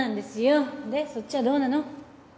でそっちはどうなの？